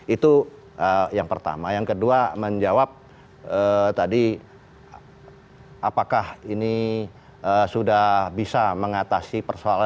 itu yang pertama yang kedua menjawab tadi apakah ini sudah bisa mengatasi persoalan